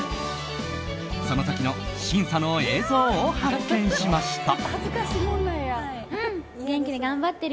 その時の審査の映像を発見しました。